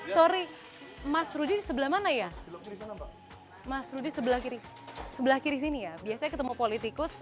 sorry mas rudy sebelah mana ya mas rudy sebelah kiri sebelah kiri sini ya biasanya ketemu politikus